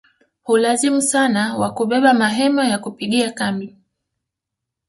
Hulazimu sana wa kubeba mahema ya kupigia kambi